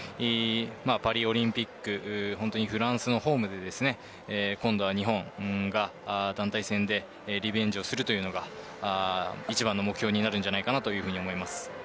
パリオリンピックはフランスのホームで今度は日本が団体戦でリベンジをするというのが一番の目標になるんじゃないかと思います。